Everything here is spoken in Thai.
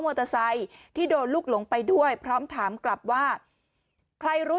มอเตอร์ไซค์ที่โดนลูกหลงไปด้วยพร้อมถามกลับว่าใครรู้